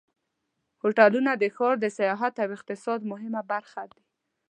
هوټلونه د ښار د سیاحت او اقتصاد مهمه برخه دي.